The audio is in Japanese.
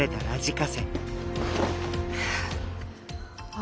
あ！